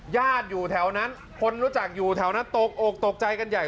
อยู่แถวนั้นคนรู้จักอยู่แถวนั้นตกอกตกใจกันใหญ่